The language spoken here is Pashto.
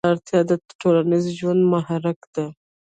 دا اړتیا د ټولنیز ژوند محرکه ده.